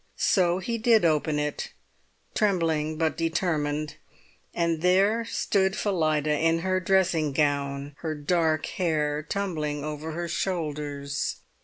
So he did open it, trembling but determined. And there stood Phillida in her dressing gown, her dark hair tumbling over her shoulders.